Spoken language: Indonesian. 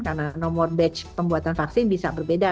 karena nomor batch pembuatan vaksin bisa berbeda